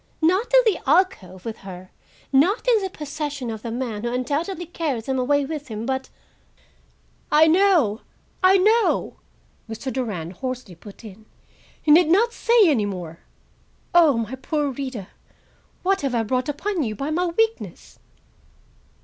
Not in the alcove with her, not in the possession of the man who undoubtedly carried them away with him, but—" "I know, I know," Mr. Durand hoarsely put in. "You need not say any more. Oh, my poor Rita! what have I brought upon you by my weakness?"